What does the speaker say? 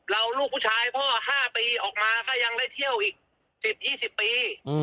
ลูกผู้ชายพ่อ๕ปีออกมาก็ยังได้เที่ยวอีก๑๐๒๐ปี